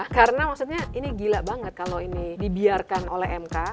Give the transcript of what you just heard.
karena maksudnya ini gila banget kalau ini dibiarkan oleh mk